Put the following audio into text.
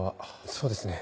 そうですね。